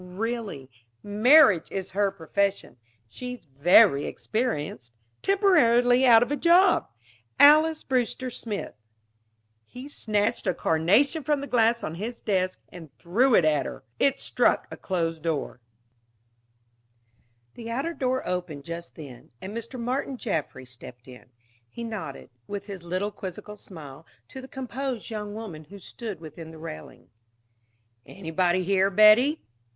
Really. Marriage is her profession. She's very experienced. Temporarily out of a job Alys Brewster Smith." He snatched a carnation from the glass on his desk and threw it at her. It struck a closed door. The outer door opened just then, and Mr. Martin Jaffry stepped in. He nodded, with his little quizzical smile, to the composed young woman who stood within the railing. "Anybody here, Betty?"